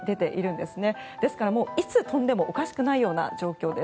ですからもういつ飛んでもおかしくないような状況です。